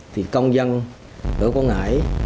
thì công dân ở quảng ngãi